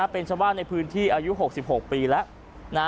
เป็นชาวบ้านในพื้นที่อายุ๖๖ปีแล้ว